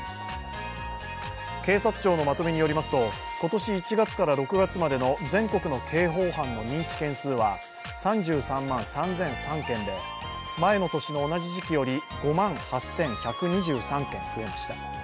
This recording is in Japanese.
警察庁のまとめによりますと、今年１月から６月までの全国の刑法犯の認知件数は３３万３００３件で前の年の同じ時期より５万８１２３件増えました。